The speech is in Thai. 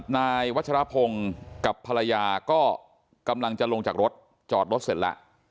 นายวัชรพงศ์กับภรรยาก็กำลังจะลงจากรถจอดรถเสร็จแล้ว